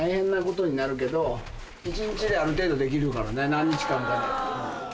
何日間かで。